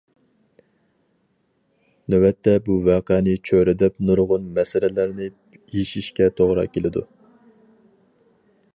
نۆۋەتتە بۇ ۋەقەنى چۆرىدەپ نۇرغۇن مەسىلىلەرنى يېشىشكە توغرا كېلىدۇ.